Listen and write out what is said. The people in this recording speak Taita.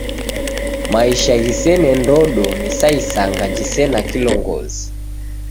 Maisha ghisene ndodo ni sa isanga jisena kilongozi.